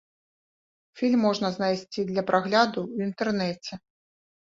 Фільм можна знайсці для прагляду ў інтэрнэце.